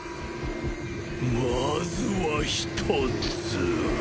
まずは一つ。